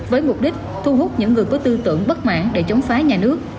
với mục đích thu hút những người có tư tưởng bất mãn để chống phá nhà nước